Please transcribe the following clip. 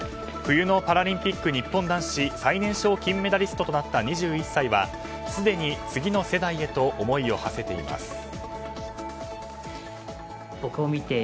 冬のパラリンピック日本男子最年少金メダリストとなった２１歳は、すでに次の世代へと思いをはせています。